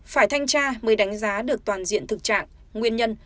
phải thanh tra mới đánh giá được toàn diện thực trạng nguyên nhân